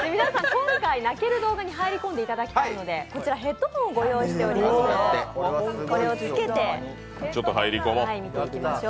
今回泣ける動画に入り込んでいただきたいので、こちらヘッドホンをご用意しておりますので着けて見ていきましょう。